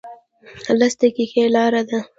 لس دقیقې لاره ده